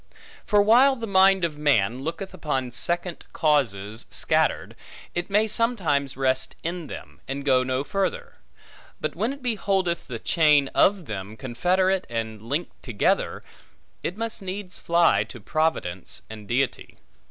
For while the mind of man looketh upon second causes scattered, it may sometimes rest in them, and go no further; but when it beholdeth the chain of them, confederate and linked together, it must needs fly to Providence and Deity.